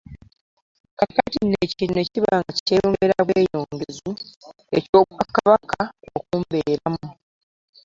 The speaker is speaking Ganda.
Kaakati no ekintu ne kiba nga kyeyongera bweyongezi, eky’obwakabaka okumbeeramu.